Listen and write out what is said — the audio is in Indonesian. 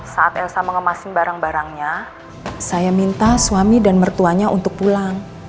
saat elsa mengemasin barang barangnya saya minta suami dan mertuanya untuk pulang